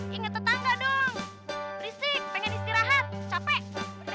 yang lainnya jadi